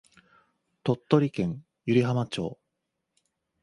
鳥取県湯梨浜町